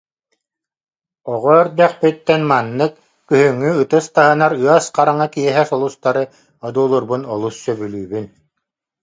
Оҕо эрдэхпиттэн маннык, күһүҥҥү ытыс таһынар ыас хараҥа киэһэ сулустары одуулуурбун олус сөбүлүүбүн